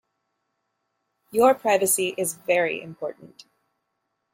Your privacy is very important.